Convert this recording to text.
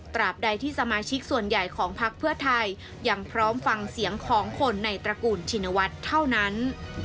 บใดที่สมาชิกส่วนใหญ่ของพักเพื่อไทยยังพร้อมฟังเสียงของคนในตระกูลชินวัฒน์เท่านั้น